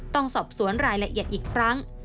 ต้องสอบสวนรายละเอียดอีกครั้ง